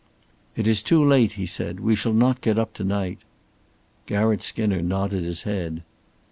"It is too late," he said. "We shall not get up to night." Garratt Skinner nodded his head.